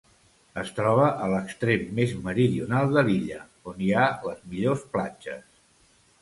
Es troba a l'extrem més meridional de l'illa, on hi ha les millors platges.